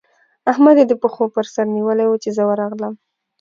احمد يې د پښو پر سره نيولی وو؛ چې زه ورغلم.